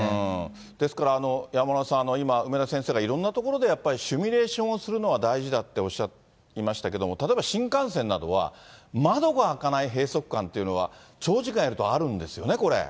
ですから、山村さん、今、梅田先生がいろんなところでやっぱりシミュレーションするのは大事だっておっしゃいましたけど、例えば新幹線などは、窓が開かない閉塞感っていうのは、長時間いるとあるんですよね、これ。